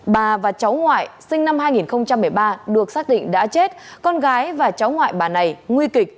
bà và cháu ngoại sinh năm hai nghìn một mươi ba được xác định đã chết con gái và cháu ngoại bà này nguy kịch